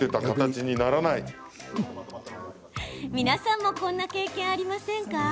皆さんもこんな経験ありませんか？